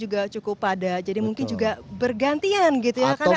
juga cukup pada jadi mungkin juga bergantian gitu ya karena ada tugas